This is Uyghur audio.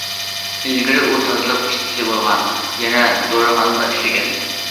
ئىلگىرى ئۇ تازىلىق ئىشچىسى بولغان، يەنە دورىخانىدا ئىشلىگەنىدى.